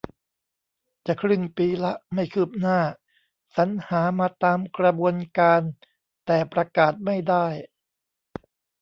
จะครึ่งปีละ ไม่คืบหน้า สรรหามาตามกระบวนการ แต่ประกาศไม่ได้